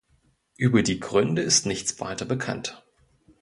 Über die Gründe ist nichts weiter bekannt.